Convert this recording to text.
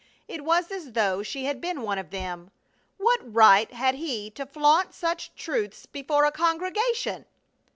It was as though she had been one of them! What right had he to flaunt such truths before a congregation?